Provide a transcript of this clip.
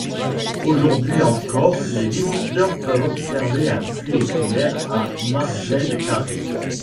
Aujourd’hui encore, les visiteurs peuvent observer un puits éclair à margelle carrée.